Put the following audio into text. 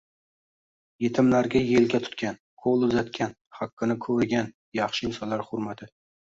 Yetimlarga yelka tutgan, ko'l uzatgan, haqqini qo'rigan yaxshi insonlar hurmati...